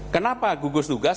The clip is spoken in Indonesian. kenapa gugus tugas